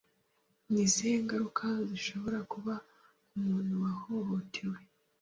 Ni izihe ngaruka zishobora kuba ku muntu wahohotewe